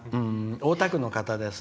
大田区の方です。